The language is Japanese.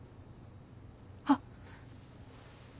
あっ！